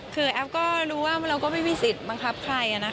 คือแอฟก็รู้ว่าเราก็ไม่มีสิทธิ์บังคับใคร